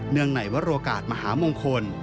เนื่องไหนวัตรโรกาสมหามงคล